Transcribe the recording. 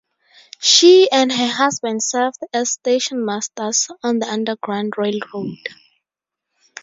She and her husband served as stationmasters on the Underground Railroad.